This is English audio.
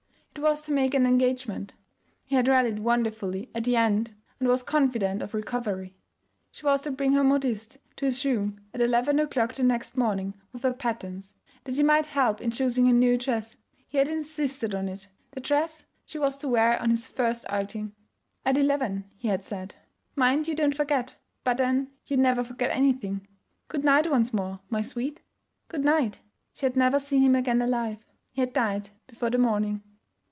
It was to make an engagement. He had rallied wonderfully at the end and was confident of recovery. She was to bring her modiste to his room at eleven o'clock the next morning with her patterns, that he might help in choosing her new dress. He had insisted on it the dress she was to wear on his first outing. 'At eleven,' he had said. 'Mind you don't forget. But then you never forget anything. Good night once more, my sweet.' 'Good night.' She had never seen him again alive. He died before the morning.